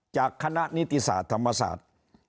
จากคณะนิติศาสตร์ธรรมศาสตร์